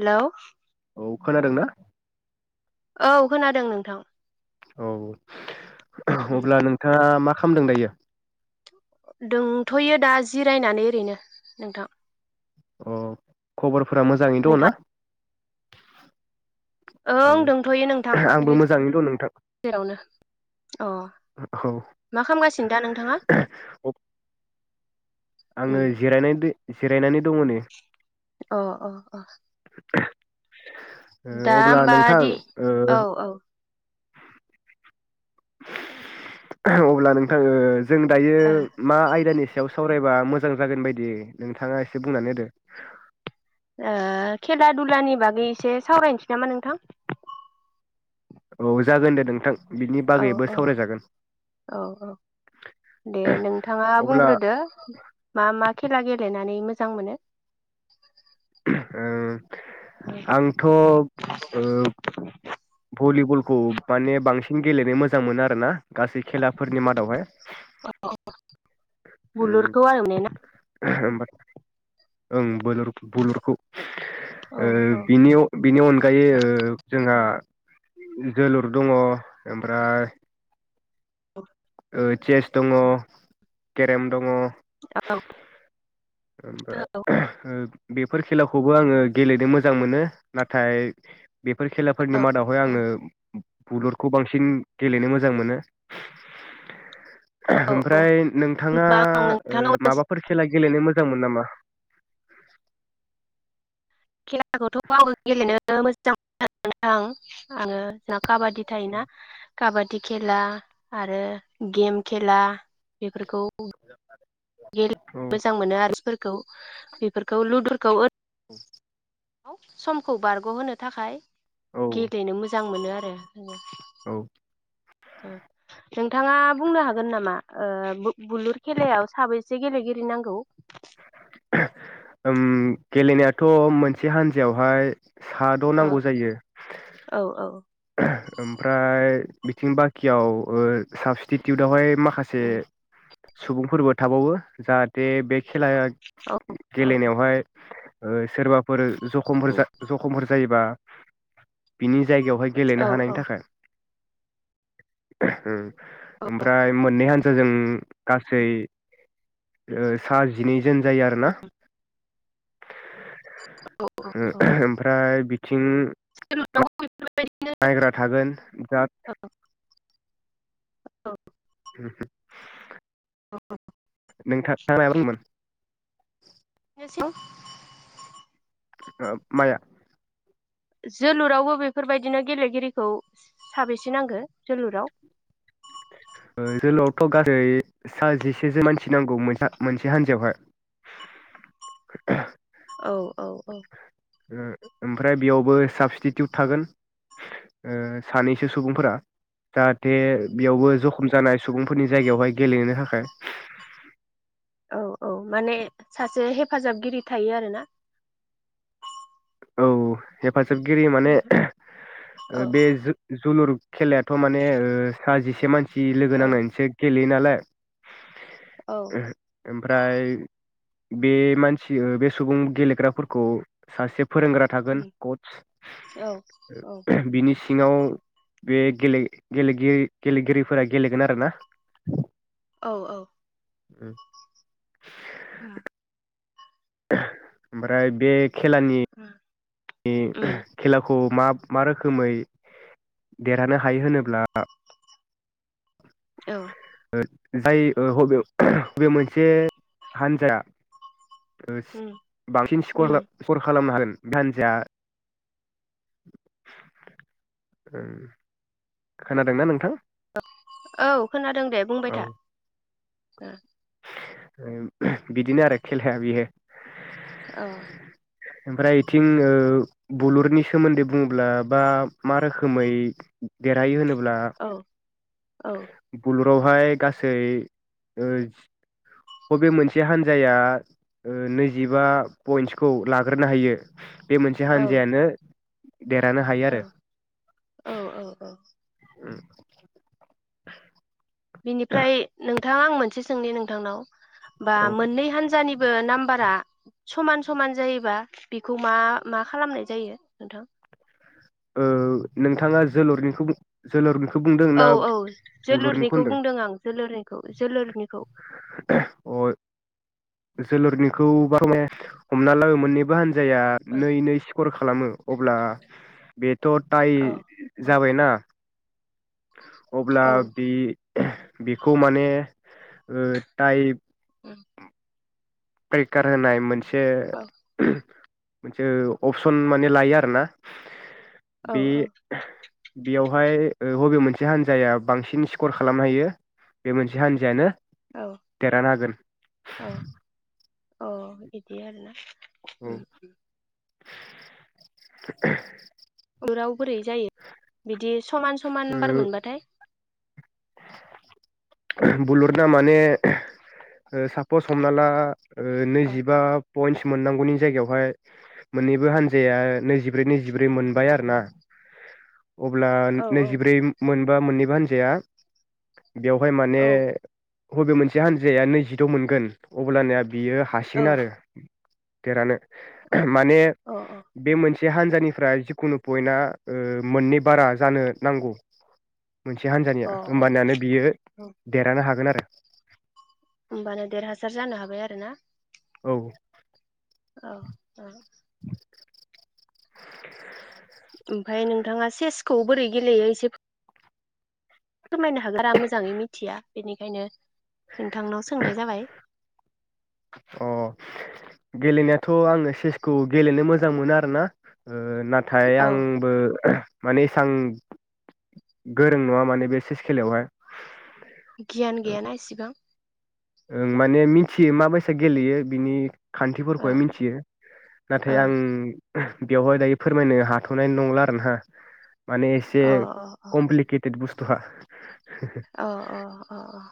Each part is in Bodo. हेलौ औ खोनादों ना औ खोनादों नोंथां औ उम अब्ला नोंथाङा मा खामदों दायो दंथ'यो दा जिरायनानै ओरैनो नोंथां अ खबर फोरा मोजाङै दङ ना नोंथां [inaudible] औ ओं दंथ'यो नोंथां आंबो मोजाङैनो दं नोंथां गेजेरावनो अ मा खालामगासिनो दा नोंथाङा औ आङो उम जिरायनाय दो- जिरायनानै दङ नै अ अ अ दा ओ अब्ला नोंथां होमबादि औ ओ औ अब्ला नोंथा ओ जों दायो ओ मा आयदानि सायाव साव फरायबा मोजां जागोन बायदि नोंथाङा एसे बुंनानै होदो ओ खेला दुलानि बागै एसे सावरायनोसै नामा नोंथां औ जागोन दे नोंथां बिनि औ बागैबो औ सावरायजागोन औ औ दे नोंथाङा अब्ला बुंग्रोदो मा मा खेला गेलेनानै मोजां मोनो ओ आंथ' भलिबलखौ माने बांसिन गेलेनो मोजां मोनो आरोना गासै खेलाफोरनि मादावहाय औ बुलुरखौ आरो ने ना ओम बुर बुलुरखौ औ औ बिनि अनगायै ओ जोंहा जोलुर दङ ओमफ्राय ओ चेस दङ केरेम दङ औ ओमबा हो [inaudible] बेफोर खेलाखौबो आङो गेलेनो मोजां मोनो नाथाय बेफोर खेलाफोरनि औ मादावहाय आङो बुलुरखौ बांसिन गेलेनो मोजां मोनो औ औ ओमफ्राय नोंथाङा होनबा आं ओ नोंथांनाव माबाफोर खेला गेलेनो मोजां मो नामा खेलाखौथ' आं गेलेनो मोजां मोनो आङो काबादि थायोना काबादि खेला आरो गेम खेला बेफोरखौ औ गेलेनो मोजां मोनो आरोफोरखौ बेफोरखौ लुदुरखौ समखौ बारग'होनो थाखाय औ गेलेनो मोजां मोनो आरो औ [inaudible] नोंथाङा बुंनो हागोन नामा ओ बु बुलुर खेलायाव साबैसे गेलेगिरि नांगौ? ओम गेलेनायाथ' मोनसे हान्जायावहाय साद' औ नांगौ जायो औ औ ओमफ्राय बिथिं बाखियाव ओ साबस्टिटिउटआवहाय माखासे सुबुंफोरबो थाबावो जाहाथे बे खेलाया औ गेलेनायावहाय ओ सोरबा फोर जखमफोर जखमफोर जायोबा बिनि जायगायाव गेलेनो औ हानायनि औ थाखाय उम ओमफ्राय मोननै हानजाजों गासै सा जिनै जोन जायो आरोना ओ [unintelligible] ओमफ्राय बि थिं [inaudible] नायग्रा थागोन जा औ [unintelligible] [unintelligible] [inaudible] [unintelligible] ओ माया? जोलुरावबो बेफोरबायदिनो गेलेगिरिखौ साबेसे नांगो जोलुराव ओ जोलावथ' गासै सा जिसेसो मानसि नांगौ मोनसे मोनसे हान्जायावहाय [inaudible] औ औ औ ओमफ्राय बेयावबो साबस्टिटिउट थागोन सानैसो सुबुंफोरा जाहाथे बेयावबो जखम जानाय सुबुंफोरनि जायगायावहाय गेलेनो थाखाय औ औ माने सासे हे फाजाबगिरि थायो आरो ना औ हे हेफाजाबगिरि माने [unintelligible] ओ बे जो जुलुर खेलायाथ' माने ओ हाजिसे मानसि जि लोगो औ नांनानैसो गेले नालाय औ ओमफ्राय बे मानसि ओ बे सुबुं गेलेग्राफोरखौ सासे फोरोंग्रा थागोन औ कच बिनि सिङाव बे गेलेगिरि गेलेगिरिफोरा गेलेगोन आरोना औ औ उम [inaudible] ओमफ्राय बे खेलानि बे उम खेलाखौ खौ मा मा रोखोमै देरहानो हायो होनोब्ला। औ [inaudible] जाय ओ हबे हबे मोनसे हान्जा ओ उम बांसिन स उम स्कर खालामनो हागोन दान जा ओम खोनादोंना नोंथां औ औ खोनादों दे बुंबाय था औ ओ ओ बिदिनो आरो खेलाया बेयो औ ओमफ्राय इथिं ओ बलुरनि सोमोन्दै बुङोब्ला बा मा रोखोमै देरहायो होनोब ब्ला औ औ बाहाय गासै ओ बबे मोनसे हान्जाया नैजिबा पइन्टसखौ लाग्रोनो हायो बे मोनसे औ हान्जायानो देरहानो हायो आरो औ औ उम बिनिफ्राय नों नोंथाङा आं मोनसे सोंनि नोंथांनाव बा औ मोननै हानजानि बो नाम्बारा समान समान जायोबा बेखौ मा मा खालामनाय जायो नोंथां ओ नोंथाङा जोलुरनिखौ जोलुरनि औ औ जोलुरनिखौ बुंदों आं जोलुरनिखौ जोलुरनिखौ अ जोलुरनिखौ बा हले हमना लाबो मोननैबो हान जाया औ नै नै स्कर खालामो अब्ला बे थ थाय औ औ जाबायना अब्ला औ बि बेखौ माने ओ टाइप [inaudible] पैकार होनाय मोनसे औ से मोनसे अपसन माने लायो आरोना औ बे औ बेयावहाय ओ बबे मोनसे हान्जाया बांसिन स्कर खालामनो हायो बे मोनसे हानजायानो औ देरहानो हागोन अ बिदि आरो ना उम [inaudible] लुराव बोरै जायो बिदि समान समान बार मोनबाथाय [inaudible] बुलुना माने सापस हमना ला ओ औ नैजिबा पइन्टस मोननांगौनि जायगायावहाय मोननैबो हान्जाया नैजिब्रै नैजिब्रै मोनबाय आरो ना अब्ला औ औ नैजिब्रै मोन बा मोननैबो हान्जाया बेवहाय माने औ हबे मोनसे हानजाया नैजिद' मोनगोन अब्लानिया बियो औ हासिगोन आरो देरहानो अ माने अ अ बे मोन से हानजानिफ्राय जिखुनु पयन्टआ ओ मोननै बारा जानो नांगौ मोनसे हान्जानिया अ होमबानियानो बियो देरहानो हागोन आरो [inaudible] होमबानो देरहासार जानो हाग फाय आरोना औ औ ओ [unintelligible] उम ओमफाय नोंथाङा चेसखौ बोरै गेलेयो एसे फोरमायनो हागोरा मोजाङै मिथिया बेनिखायनो नोंथांनाव सोंनाय जाबाय अ गेलेनायाथ' आङो चेसखौ गेलेनो मोजां मोनो आरो ना ओ नाथाय औ आंबो माने एसां गोरों नङा माने बे चेस खेलायावहाय गियान गैयाना इसेबां ओं माने मिनथियो मा बैसा गेलेयो बिनि अ खान्थिफोरखौहाय मिनथियो औ नाथाय आं बेवहाय दायो फोरमायनो हाथ'नाय नंला आर ना माने एसे अ अ क'मफ्लिकेथेद बुुस [unintelligible] अ अ अ अ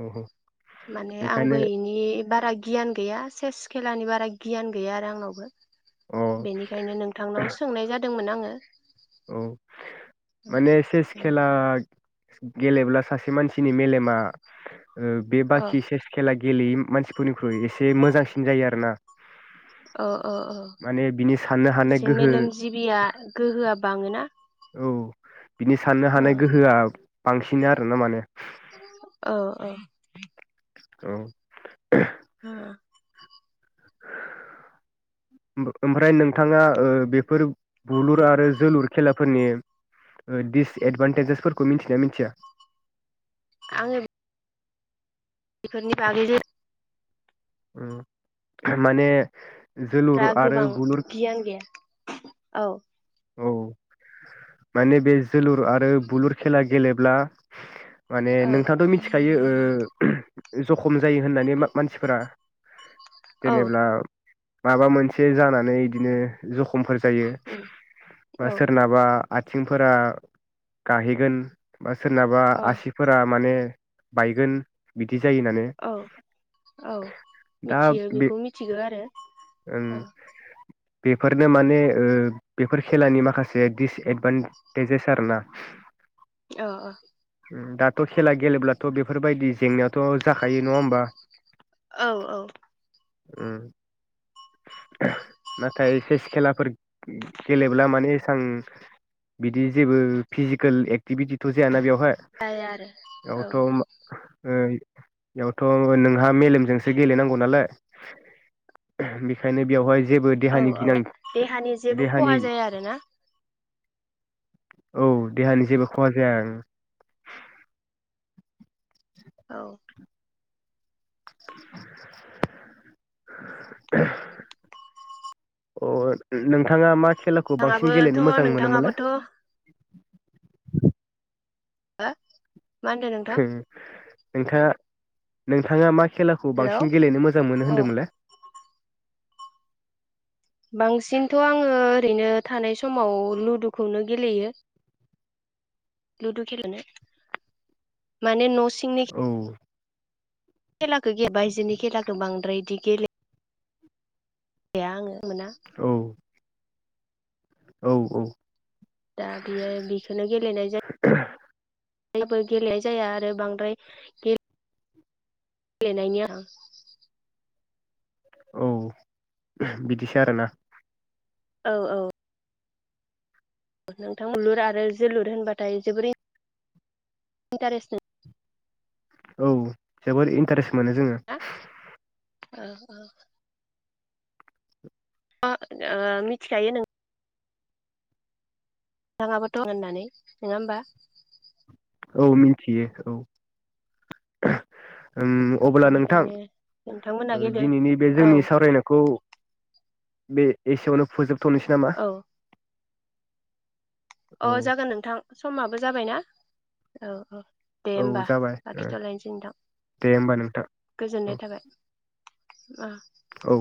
अ ह माने आंबो इनि बारा गियान गैया सेस खेलानि बारा गियान गैया आरो आंनावबो अ बेनिखायनो नोंथांनाव सोंनाय जादोंमोन आङो [inaudible] औ माने सेस खेला गेलेब्ला सासे मानसिनि मेलेमा ओ बे अ बाखि सेस खेला गेलेयै मानसिफोरनिख्रुइ एसे मोजांसिन जायो आरो ना अ अ अ बिनि साननो हानाय एसे गोहो मेलेम जिबिया गोहोआबा बाङोना बिदि साननो अ हानाय गोहोआ बांसिन आर' ना माने औ औ औ [unintelligible] ओ ओमफ्राय नोंथाङा ओ बेफोर बुलुर आरो जोलुर खेलाफोरनि ओ दिसएद भान्टेजेसफोरखौ मिथियोना मिथिया आंङो बेफोरनि बागै जे उम माने जोलुर दा आरो गोबां बुलुर गियान गैया औ औ माने बे जुलुर आरो बुलुर खेला गेले ब्ला माने औ नोंथाङाथ' मिथिखायो ओ जखम जायो होननानै मा मानसिफोरा औ जेनेब्ला माबा मोनसे जानानै इदिनो ज खमफोर जायो उम बा औ सोरनाबा आं आथिंफोरा गाहेगोन सोरनाबा अ आसिफोरा माने बायगोन बि औ औ दा मिथियो बे बेखौ मिथिगौ आरो ओं औ बेफोरनो माने‌ ओ बेफोर खेलानि माखासे दिसएदभान्टेजेस आरो ना ओ ओ उम दाथ' खेला गेलेब्लाथ' बेफोरबायदि जेंनायाव थ' जाखायो नङा होमबा औ औ उम नाथाय सेस खेलाफोर गेलेब्ला माने एसां बिदि जेबो फिजिकेल एक्टिभिटिथ' जायाना बेयाव जाया आरो एयाव थ' ओ बेयावथ' नोंहा मेलेमजोंसो गेलेनांगौ नालाय बिखायनो बेयावहाय जेबो औ देहानि औ गिनां देहानि जेबो देहानि खहा जाया आरो ना औ देहानि जेबो खहा जाया ओं औ अ नोंथाङा मा खेलाखौ बांसिन गेलेनो नोंथाङाबोथ' मोजां मोनोमोनलाय नोंथाङाबोथ' हो [unintelligible] हो नोंथाङा नोंथाङा मा खेलाखौ हेलौ बांसिन गेलेनो मोजां मोनो अ होन्दोंमोनलाय बांसिनथ' आङो ओरैनो थानाय समाव लुदुखौनो गेलेयो लुदु खेलेनो माने न'स औ खेलाखौ गेबबाय बायजोनि खेला गोबां रेदि गेले बे आङो मोना औ औ औ दा बियो बिखोनो गेलेनाय जा जेबो गेलेनाय जाया आरो बांद्राय गे लेनायनिया आं औ बिदिसो आरोना औ औ नोंथां बोलुर आरो जोलुर होनबाथाय जोबोरै इन्टारेस्टिं औ जोबोर इन्टारेस मोनो जोङो ओ ओ [inaudible] ओ मिथिखायो नों थाङाबो दं होननानै नोङा होमबा औ मिन्थियो औ ओम अब्ला नोंथां बेनिखायनो नोंथांमोना ओ गेले दिनैनि बे औ जोंनि सावरायनायखौ बे एसेयावनो फुजोब थोनसै नामा औ अ औ जागोन नोंथां समाबो जाबायना औ औ दे औ होमबा जाबाय ओ लाखिथ'लायनसै नोंथां दे होमबा नोंथां गोजोननाय औ थाबाय। [unintelligible] औ